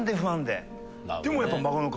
でもやっぱ。